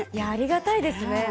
ありがたいですね